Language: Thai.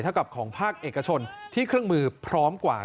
เท่ากับของภาคเอกชนที่เครื่องมือพร้อมกว่า